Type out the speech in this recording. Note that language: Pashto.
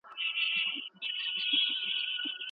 ولي ځيني هیوادونه هوایي حریم نه مني؟